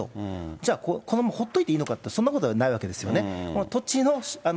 じゃあ、このままほっといていいのかって、そんなことはないわけですよね。